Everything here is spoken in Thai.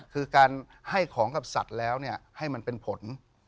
คือการให้ของกับสัตว์แล้วให้มันเป็นผล